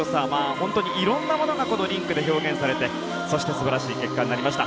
本当に色んなものがこのリンクで表現されてそして素晴らしい結果になりました。